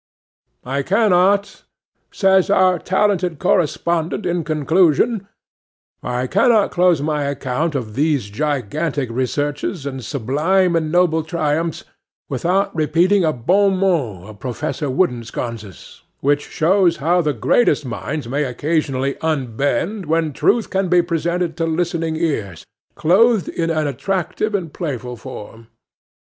'I cannot,' says our talented correspondent in conclusion, 'I cannot close my account of these gigantic researches and sublime and noble triumphs without repeating a bon mot of Professor Woodensconce's, which shows how the greatest minds may occasionally unbend when truth can be presented to listening ears, clothed in an attractive and playful form.